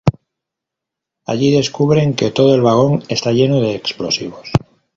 Allí descubren que todo el vagón está lleno de explosivos.